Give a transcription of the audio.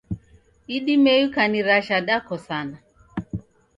Idimei ukanirasha dakosana